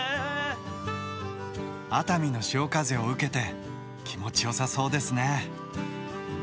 熱海の潮風を受けて気持ちよさそうですね。